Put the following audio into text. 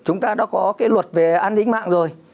chúng ta đã có cái luật về an ninh mạng rồi